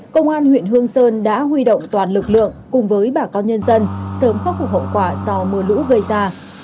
công an huyện hương sơn đã huy động toàn lực lượng cùng với bà con nhân dân sớm khắc phục hậu quả do mưa lũ gây ra